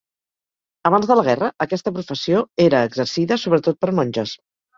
Abans de la guerra aquesta professió era exercida sobretot per monges